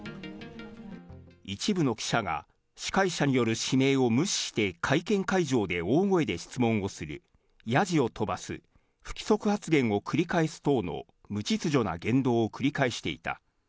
一部の記者が、司会者による指名を無視して会見会場で大声で質問をする、やじを飛ばす、不規則発言を繰り返す等の無秩序な言動を繰り返していた。